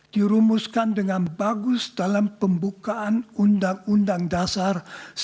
dirumuskan dengan bagus dalam pembukaan undang undang dasar seribu sembilan ratus empat puluh lima